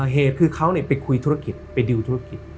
เหตุคือเขาไปคุยธุรกิจไปดิวธุรกิจ